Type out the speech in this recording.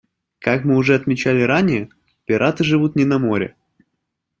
Как мы уже отмечали ранее, пираты живут не на море.